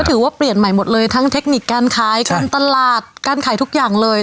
ถือว่าเปลี่ยนใหม่หมดเลยทั้งเทคนิคการขายการตลาดการขายทุกอย่างเลย